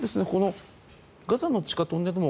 ガザの地下トンネル網